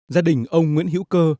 gia đình ông nguyễn hữu cơ